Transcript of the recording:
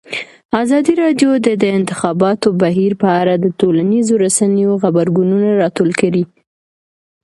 ازادي راډیو د د انتخاباتو بهیر په اړه د ټولنیزو رسنیو غبرګونونه راټول کړي.